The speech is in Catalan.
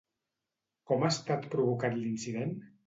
Com ha estat provocat l'incident?